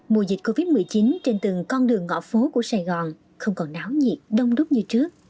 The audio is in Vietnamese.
mùa dịch covid một mươi chín trên từng con đường ngõ phố của sài gòn không còn náo nhiệt đông đúc như trước